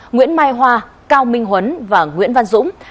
nguyễn mai hoa cao minh huấn và nguyễn văn dũng